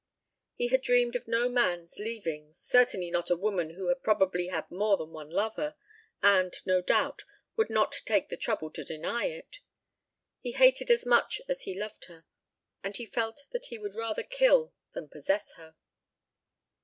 He had dreamed of no man's leavings, certainly not of a woman who had probably had more than one lover, and, no doubt, would not take the trouble to deny it. He hated as much as he loved her and he felt that he would rather kill than possess her.